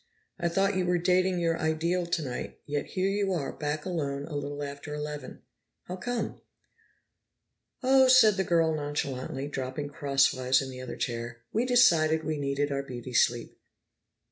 I thought you were dating your ideal tonight, yet here you are, back alone a little after eleven. How come?" "Oh," said the girl nonchalantly, dropping crosswise in the other chair, "we decided we needed our beauty sleep."